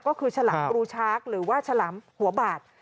ก็คือฉลามกรูชาร์คหรือว่าฉลามหัวบาด